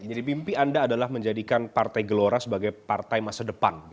jadi mimpi anda adalah menjadikan partai gelora sebagai partai masa depan